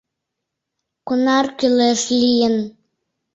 Кунар кӱлеш лийын.